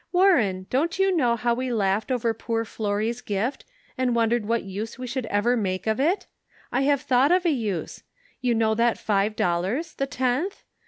"Warren, don't you know how we laughed over poor Florrie's gift, and wondered what use we should ever make of it? I have thought of a use. You know that five dollars, the tenth